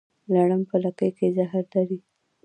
لړم په لکۍ کې زهر لري